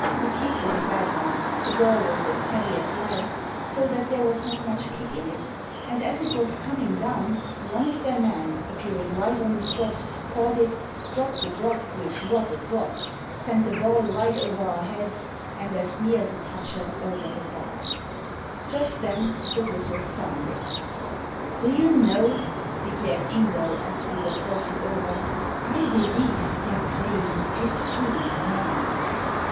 The kick was a bad one — ^the ball was as heavy as lead, so that there was not much kick in it — ^and as it was coming down one of their men, appearing right on the spot, caught it, dropped a drop which was a drop, sent the ball right over our heads, and as near as a toucher over the bar. Digitized by VjOOQIC IS6 THE SEEN AND THE UNSEEN Just then the whistle sounded. "Do you know," declared Ingall, as we were crossing over, " I believe they're playing fifteen men."